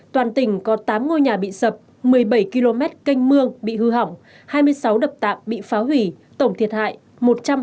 toàn tỉnh có tám ngôi nhà bị sập một mươi bảy km canh mương bị hư hỏng hai mươi sáu đập tạm bị phá hủy tổng thiệt hại một trăm hai mươi bốn tỷ đồng